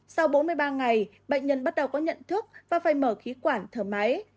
sau bốn mươi ba ngày bệnh nhân bắt đầu có nhận thức và phải mở khí quản thở máy